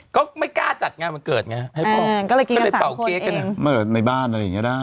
ก็ไม่กล้าจัดงานมันเกิดไงที่ที่สามคนเองในบ้านอะไรอย่างนี้ได้